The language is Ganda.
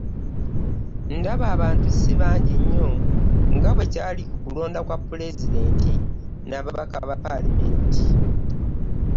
“Ndaba abantu si bangi nnyo nga bwekyali ku kulonda kwa pulezidenti n'ababaka ba palamenti"